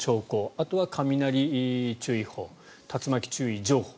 あとは雷注意報竜巻注意情報